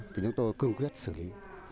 thì chúng tôi cương quyết xử lý